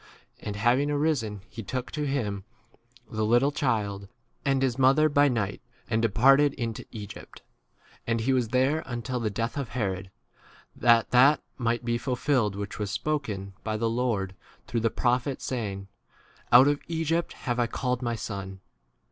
And, having arisen, he took to [him] the little child and his mother by night, and departed into Egypt. 15 And he was there until the death of Herod, that that might be ful filled which was spoken by [the] Lord through the prophet, saying, Out of Egypt have I called my 16 son.